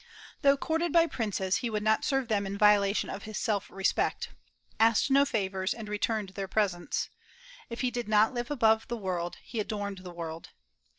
Though courted by princes he would not serve them in violation of his self respect, asked no favors, and returned their presents. If he did not live above the world, he adorned the world.